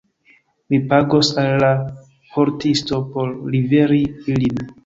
Mi pagos al la portisto por liveri ilin.